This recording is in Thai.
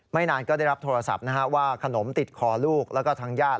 นานก็ได้รับโทรศัพท์ว่าขนมติดคอลูกแล้วก็ทางญาติ